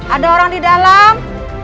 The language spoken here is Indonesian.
ada orang di dalam